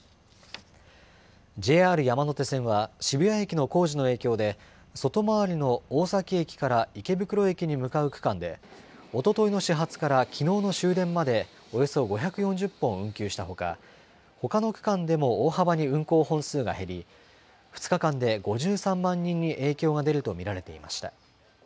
ＪＲ山手線は渋谷駅の工事の影響で、外回りの大崎駅から池袋駅に向かう区間で、おとといの始発からきのうの終電までおよそ５４０本運休したほか、ほかの区間でも大幅に運行本数が減り、２日間で５３万人に影響が出ると見られていました。